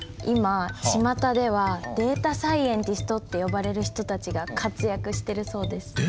今ちまたでは「データサイエンティスト」って呼ばれる人たちが活躍してるそうです。